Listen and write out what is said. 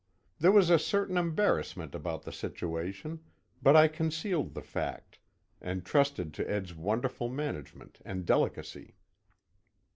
There was a certain embarrassment about the situation, but I concealed the fact, and trusted to Ed's wonderful management and delicacy.